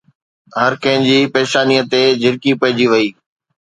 هر ڪنهن جي پيشانيءَ تي جهرڪي پئجي وئي